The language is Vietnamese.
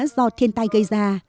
do thiên tai gây ra